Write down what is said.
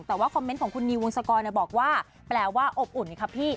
แต่ว่าคอมเมนต์ของคุณนิววงศกรบอกว่าแปลว่าอบอุ่นนะครับพี่